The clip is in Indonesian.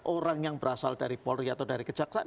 orang yang berasal dari polri atau dari kejaksaan